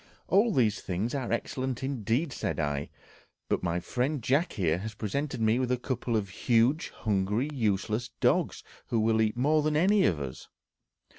"All these things are excellent indeed," said I; "but my friend Jack here has presented me with a couple of huge, hungry, useless dogs, who will eat more than any of us."